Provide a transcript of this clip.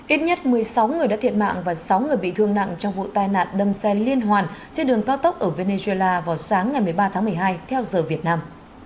ít nhất một mươi sáu người đã thiệt mạng và sáu người bị thương nặng trong vụ tai nạn đâm xe liên hoàn trên đường cao tốc ở venezuela vào sáng ngày một mươi ba tháng một mươi hai theo giờ việt nam